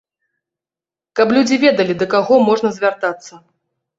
Каб людзі ведалі, да каго можна звяртацца.